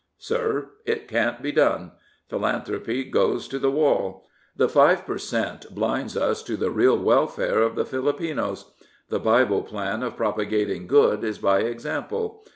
Sir, it can't be done. Philanthropy goes to the wall. The five per cent, blinds us to the real welfare of the Filipinos. The Bible plan of propagating good is by example.